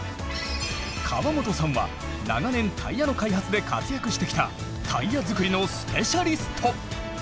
川本さんは長年タイヤの開発で活躍してきたタイヤ作りのスペシャリスト。